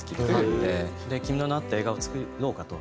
で『君の名は。』って映画を作ろうかと。